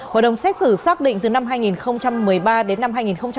hội đồng xét xử xác định từ năm hai nghìn một mươi ba đến năm hai nghìn một mươi bảy